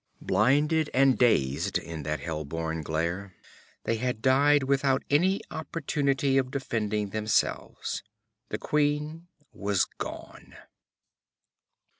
Blinded and dazed in that hell born glare, they had died without an opportunity of defending themselves. The queen was gone.